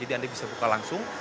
jadi anda bisa buka langsung